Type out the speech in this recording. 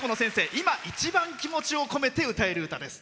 今、一番、気持ちを込めて歌える歌です。